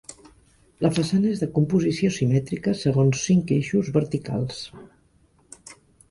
La façana és de composició simètrica segons cinc eixos verticals.